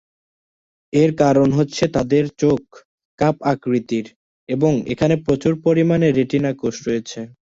এর কারণ হচ্ছে তাদের চোখ কাপ আকৃতির, এবং এখানে প্রচুর পরিমাণে রেটিনা কোষ রয়েছে।